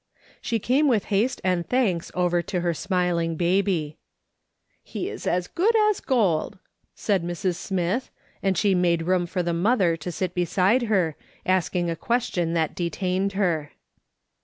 She came with haste and thanks over to her smiling baby, " He is as good as gold," said Mrs. Smith, and she made room for the mother to sit beside her, asking a question that detained her.